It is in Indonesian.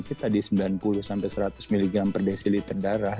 kita tadi sembilan puluh seratus mg per desiliter darah